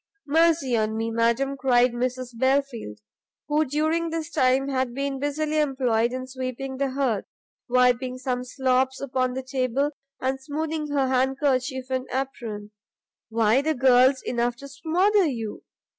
"Mercy on me, madam," cried Mrs Belfield, who during this time had been busily employed in sweeping the hearth, wiping some slops upon the table, and smoothing her handkerchief and apron, "why the girl's enough to smother you.